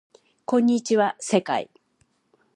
こんにちは世界